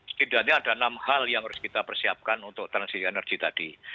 setidaknya ada enam hal yang harus kita persiapkan untuk transisi energi tadi